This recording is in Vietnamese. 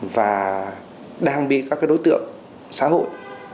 và đang bị các cái đối tượng xã hội